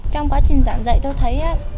trong quá trình giảng dạy tôi thấy